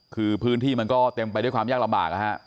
คือพื้นที่มันก็เต็มไปด้วยความยากลำบากนะฮะ